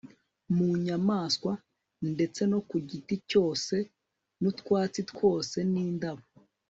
mu nyamaswa ndetse no ku giti cyose n'utwatsi twose n'indabo